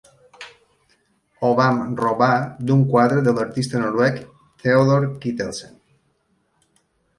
Ho vam "robar" d'un quadre de l'artista noruec Theodor Kittelsen.